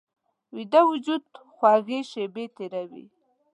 ویده وجود خوږې شیبې تېروي